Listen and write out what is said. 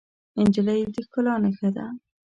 نجلۍ د ښکلا نښه ده.